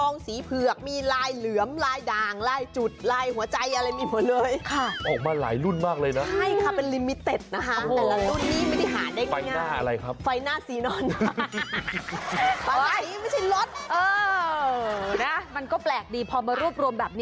นำเฉพาะตัวของมัน